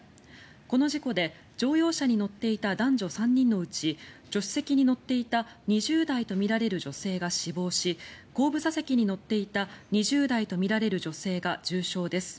この事故で乗用車に乗っていた男女３人のうち助手席に乗っていた２０代とみられる女性が死亡し後部座席に乗っていた２０代とみられる女性が重傷です。